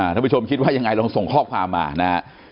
ท่านผู้ชมคิดว่ายังไงลองส่งข้อความมานะฮะ